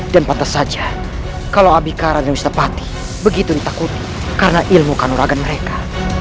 dan pantas saja kalau abhikara dan mr pati begitu ditakuti karena ilmu kanuragan mereka